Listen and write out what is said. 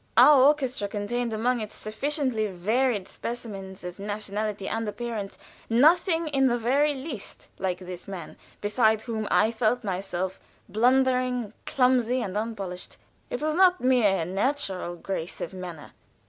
Our orchestra contained among its sufficiently varied specimens of nationality and appearance nothing in the very least like this man, beside whom I felt myself blundering, clumsy, and unpolished. It was not mere natural grace of manner.